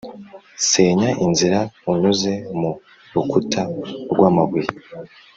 senya inzira unyuze mu rukuta rwamabuye,